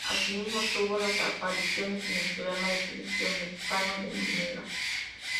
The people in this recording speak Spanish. Asimismo, tuvo unas apariciones en el programa de televisión "Mekano" de Mega.